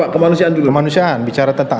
kemanusiaan bicara tentang